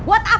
aku mau mbak